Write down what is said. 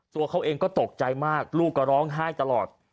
ตัวเขาเองก็ตกใจมากลูกก็ร้องไห้ตลอด